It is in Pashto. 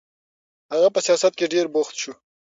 هغه په سیاست کې ډېر بوخت شو.